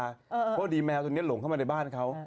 เพราะว่าดินางตอนนี้หลงเข้ามาในบ้านเขา